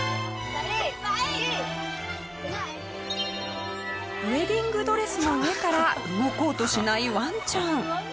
ウェディングドレスの上から動こうとしないワンちゃん。